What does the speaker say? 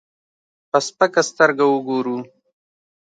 په سپکه سترګه وګورو.